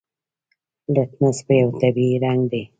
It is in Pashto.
لتمس یو طبیعي رنګ دی.